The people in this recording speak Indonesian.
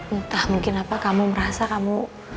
entah mungkin apa kamu merasa kamu